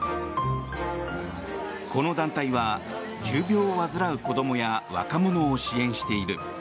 この団体は重病を患う子供や若者を支援している。